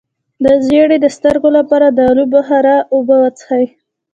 د زیړي د سترګو لپاره د الو بخارا اوبه وڅښئ